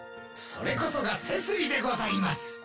それこそがセツリでございます。